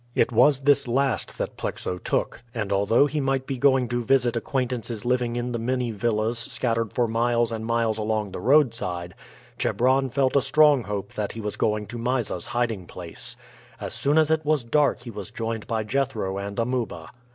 It was this last that Plexo took; and although he might be going to visit acquaintances living in the many villas scattered for miles and miles along the roadside, Chebron felt a strong hope that he was going to Mysa's hiding place. As soon as it was dark he was joined by Jethro and Amuba.